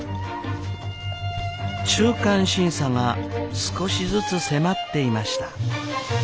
中間審査が少しずつ迫っていました。